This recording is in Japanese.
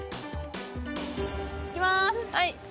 いきます！